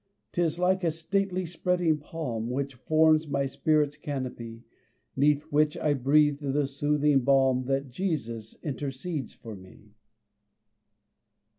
'Tis like a stately spreading palm, Which forms my spirit's canopy, 'Neath which I breathe the soothing balm That Jesus intercedes for me.